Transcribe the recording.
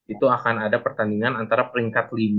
itu akan ada pertandingan antara peringkat lima